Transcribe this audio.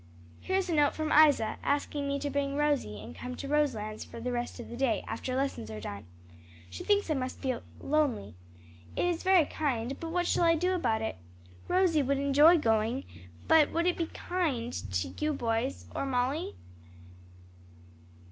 "Here's a note from Isa, asking me to bring Rosie and come to Roselands for the rest of the day, after lessons are done. She thinks I must feel lonely. It is very kind, but what shall I do about it? Rosie would enjoy going, but would it be kind to you or the boys, or Molly?"